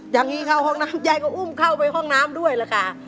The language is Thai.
อย่างนี้เข้าห้องน้ำยายก็อุ้มเข้าไปห้องน้ำด้วยล่ะค่ะ